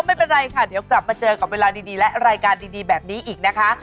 ไม่เป็นไรค่ะเดี๋ยวกลับมาเจอกับเวลาดีและรายการดีแบบนี้อีกนะคะ